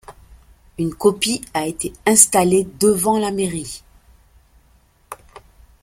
Une copie a été installée devant la mairie.